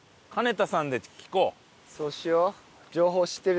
そうしよう。